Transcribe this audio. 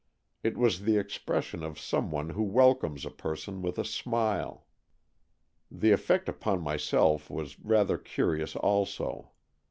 It w^as the expression of some one who welcomes a person with a smile. The effect upon myself was rather curious also.